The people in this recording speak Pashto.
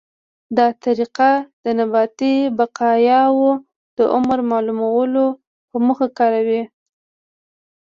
دا طریقه د نباتي بقایاوو د عمر معلومولو په موخه کاروي.